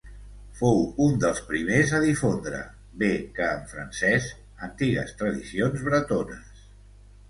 Fou un dels primers a difondre, bé que en francès, antigues tradicions bretones.